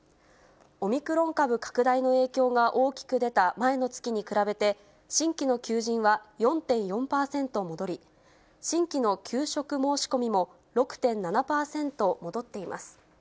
オミクロン株拡大の影響が大きく出た前の月に比べて、新規の求人は４．４％戻り、新規の求職申し込みも６．７％戻っています。